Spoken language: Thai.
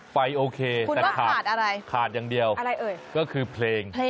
ไฟโอเคแต่ขาดอย่างเดียวก็คือเพลงคุณว่าขาดอะไร